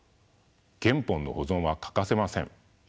原本の保存は欠かせません。